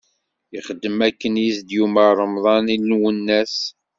Ixdem akken i s-d-yumeṛ Remḍan i Lwennas.